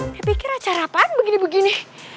dia pikir acara apaan begini begini